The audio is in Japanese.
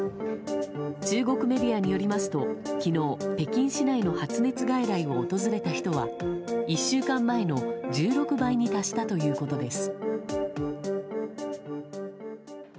中国メディアによりますと昨日、北京市内の発熱外来を訪れた人は１週間前の１６倍に達したということです。